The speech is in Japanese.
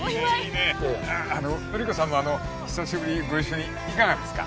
記子さんもあの久しぶりにご一緒にいかがですか？